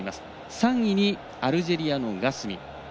３位にアルジェリアのガスミ。